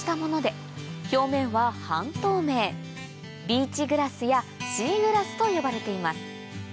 ビーチグラスやシーグラスと呼ばれています